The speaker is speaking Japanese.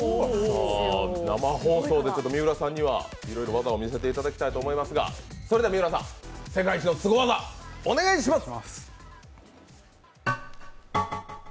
生放送で三浦さんにはいろいろ技を見せていただきたいと思いますがそれでは三浦さん、世界一のすご技お願いします！